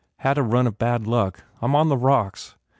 Had a run of bad luck. I m on the rocks.